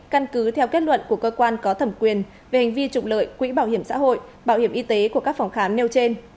căn cứ theo kết luận của cơ quan có thẩm quyền về hành vi trục lợi quỹ bảo hiểm xã hội bảo hiểm y tế của các phòng khám nêu trên